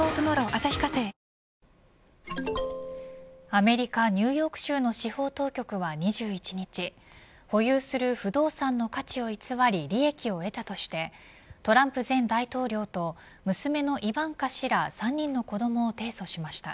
アメリカ、ニューヨーク州の司法当局は２１日保有する不動産の価値を偽り利益を得たとしてトランプ前大統領と娘のイバンカ氏ら３人の子どもを提訴しました。